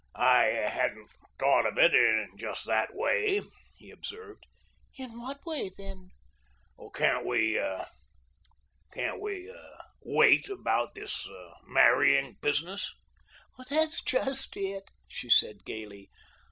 "I hadn't thought of it in just that way," he observed. "In what way, then?" "Can't we can't we wait about this marrying business?" "That's just it," she said gayly.